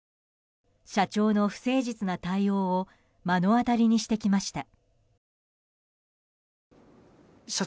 社長の不誠実な対応を目の当たりにしてきました。